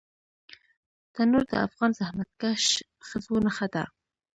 تنور د افغان زحمتکښ ښځو نښه ده